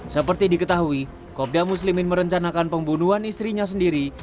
seperti diketahui kopda muslimin merencanakan pembunuhan istrinya sendiri